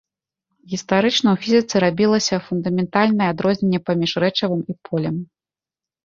Гістарычна ў фізіцы рабілася фундаментальнае адрозненне паміж рэчывам і полем.